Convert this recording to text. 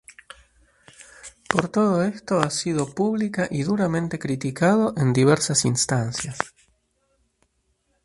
Por todo esto ha sido pública y duramente criticado en diversas instancias.